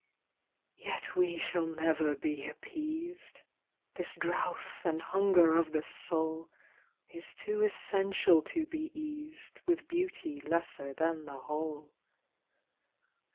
Yet we shall never be appeased : This drouth and hunger of the soul Is too essential to be eased With beauty lesser than the whole.